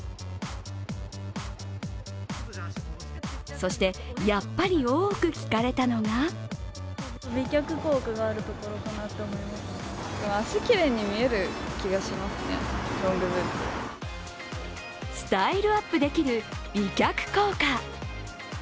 そしてやっぱり多く聞かれたのがスタイルアップできる美脚効果。